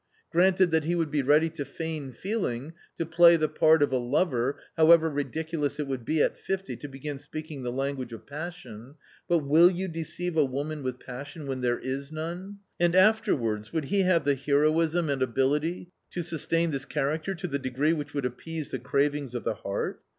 Granted that he would be ready to feign feeling, to play the part of a lover, however ridiculous it would be at fifty to begin speaking the language of passion ; but will you deceive a woman with passion when there is none? And afterwards, would he have the heroism and ability to sustain this character to the degree which would appease the cravings of the heart